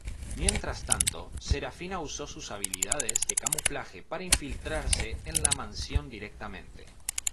Mientras tanto, Serafina usó sus habilidades de camuflaje para infiltrarse en la mansión directamente.